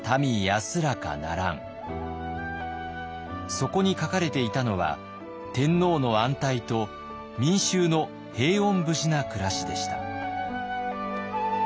そこに書かれていたのは天皇の安泰と民衆の平穏無事な暮らしでした。